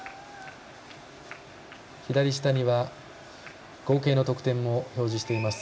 左下には合計の得点も表示しています。